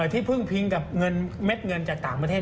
ที่เพิ่งพิงกับเม็ดเงินจะต่างประเทศ